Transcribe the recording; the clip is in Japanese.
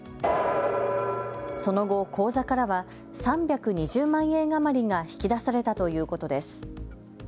その後、口座からは３２０万円余りが引き出されたということです。